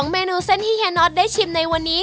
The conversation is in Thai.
เมนูเส้นที่เฮียน็อตได้ชิมในวันนี้